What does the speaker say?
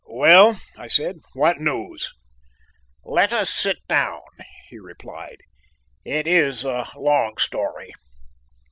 "Well," I said, "what news." "Let us sit down," he replied, "it is a long story."